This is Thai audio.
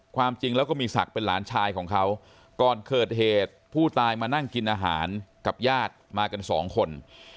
ความจริงแล้วก็มีศักดิ์เป็นหลานชายของเขาก่อนเกิดเหตุผู้ตายมานั่งกินอาหารกับญาติมากันสองคน